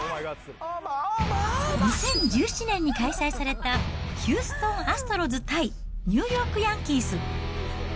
２０１７年に開催されたヒューストンアストロズ対ニューヨークヤンキース。